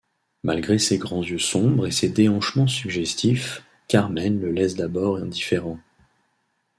Malgré ses grands yeux sombres et ses déhanchements suggestifs, Carmen le laisse d'abord indifférent.